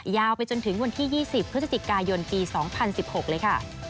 ยาวไปจนถึงวันที่๒๐พฤศจิกายนปี๒๐๑๖เลยค่ะ